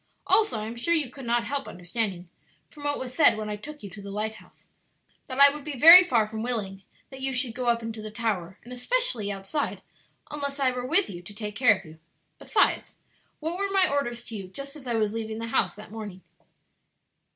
Also I am sure you could not help understanding, from what was said when I took you to the lighthouse, that I would be very far from willing that you should go up into the tower, and especially outside, unless I were with you to take care of you. Besides, what were my orders to you just as I was leaving the house that morning?"